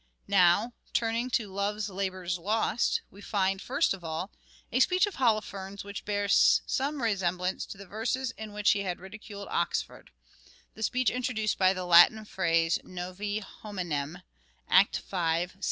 Now, turning to " Love's Labour's Lost," we find, first of all, a speech of Holofernes' which bears some resem blance to the verses in which he had ridiculed Oxford (the speech introduced by the latin phrase " Novi hominem," Act V, i).